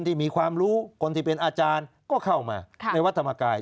ที่มีความรู้คนที่เป็นอาจารย์ก็เข้ามาในวัดธรรมกาย